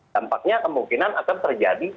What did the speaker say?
dampaknya kemungkinan akan terjadi